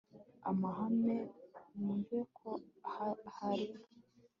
uhamagare wumve ko hari